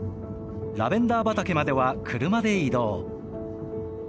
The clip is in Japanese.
ラベンダー畑までは車で移動。